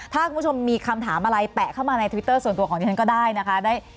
ถ้าคุณผู้ชมมีคำถามอะไรแปะเข้ามาในทวิตเตอร์ส่วนตัวของดิฉันก็ได้นะคะ